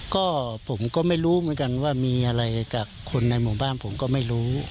ก็ผมก็ไม่รู้เหมือนกันว่ามีอะไรจากคนในหมู่บ้านผมก็ไม่รู้